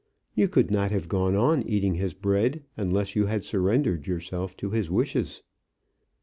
You could not have gone on eating his bread unless you had surrendered yourself to his wishes.